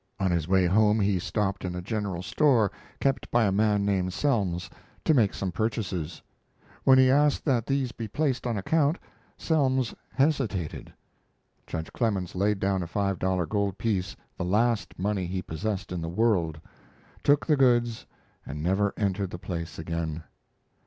On his way home he stopped in a general store, kept by a man named Sehns, to make some purchases. When he asked that these be placed on account, Selms hesitated. Judge Clemens laid down a five dollar gold piece, the last money he possessed in the world, took the goods, and never entered the place again.